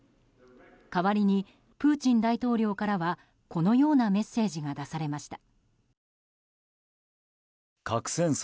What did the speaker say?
代わりにプーチン大統領からはこのようなメッセージが出されました。